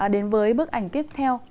đến với bức ảnh tiếp theo